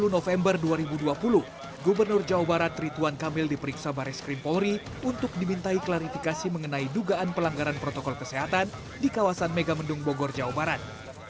dua puluh november dua ribu dua puluh gubernur jawa barat rituan kamil diperiksa baris krim polri untuk dimintai klarifikasi mengenai dugaan pelanggaran protokol kesehatan di kawasan megamendung bogor jawa barat